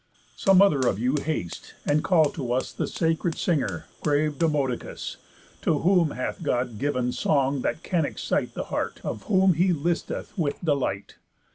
Some other of you haste, and call to us The sacred singer, grave Demodocus, To whom hath God giv'n song that can excite The heart of whom he listeth with delight."